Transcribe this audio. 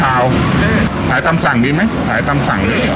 อืมขายตำสั่งดีไหมขายตำสั่งดี